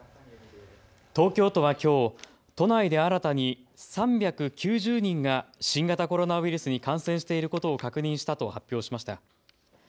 東京都はきょう、都内で新たに３９０人が新型コロナウイルスに感染していることを確認したと発表しました。